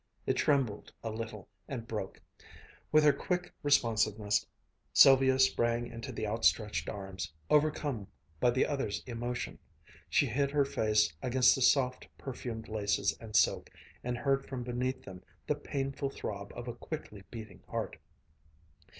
It trembled a little, and broke. With her quick responsiveness, Sylvia sprang into the outstretched arms, overcome by the other's emotion. She hid her face against the soft, perfumed laces and silk, and heard from beneath them the painful throb of a quickly beating heart.